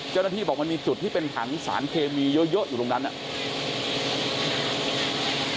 เจ้าหน้าที่บอกมันมีจุดที่เป็นถังสารเคมีเยอะอยู่ตรงนั้นน่ะ